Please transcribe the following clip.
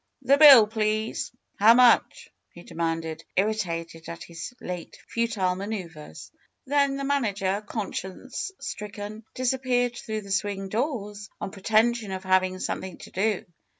^'The bill, please! How much?" he demanded, irri tated at his late futile maneuvers. Then the manager, conscience stricken, disappeared through the swing doors, on pretention of having some thing to do.